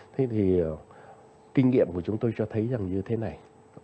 thế thì kinh nghiệm của chúng tôi cho thấy rằng như thế này